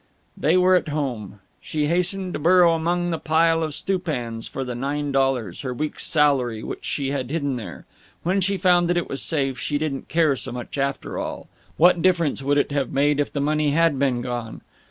They were at home. She hastened to burrow among the pile of stewpans for the nine dollars, her week's salary, which she had hidden there. When she found that it was safe, she didn't care so much, after all. What difference would it have made if the money had been gone?